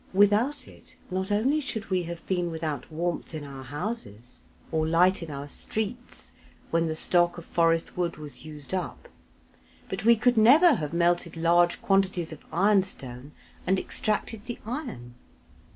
Without it not only should we have been without warmth in our houses, or light in our streets when the stock of forest wood was used up; but we could never have melted large quantities of iron stone and extracted the iron.